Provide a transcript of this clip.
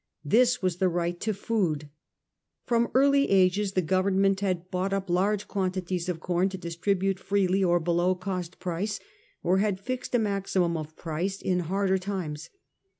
This was the right to food, food. From early ages the Government had bought up large quantities of corn to distribute freely or below cost price, or had fixed a maximum of price in harder times.